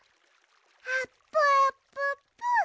あっぷあっぷっぷ！